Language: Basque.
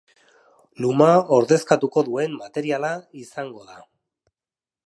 Luma ordezkatuko duen materiala izango da.